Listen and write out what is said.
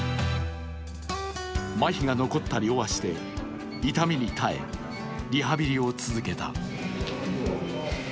まひが残った両足で痛みに耐え、リハビリを続けた。